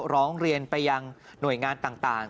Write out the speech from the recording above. ร้องเรียนไปยังหน่วยงานต่าง